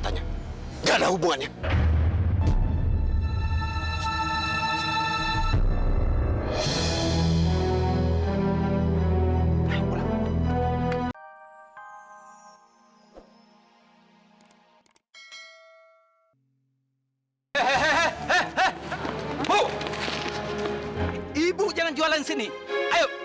sampai jumpa di video selanjutnya